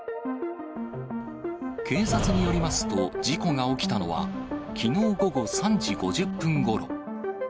警察によりますと、事故が起きたのはきのう午後３時５０分ごろ。